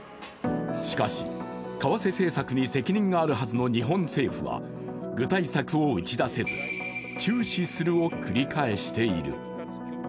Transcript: しかし、為替政策に責任があるはずの日本政府は具体策を打ち出せず注視するを繰り返している。